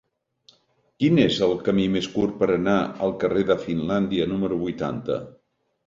Quin és el camí més curt per anar al carrer de Finlàndia número vuitanta?